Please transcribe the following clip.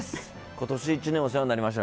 今年１年、お世話になりました。